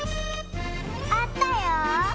あったよ。